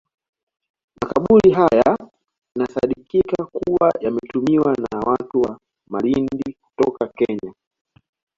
Makaburi haya inasadikika kuwa yalitumiwa na watu wa Malindi kutoka Kenya